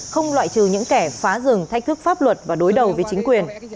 không loại trừ những kẻ phá rừng thách thức pháp luật và đối đầu với chính quyền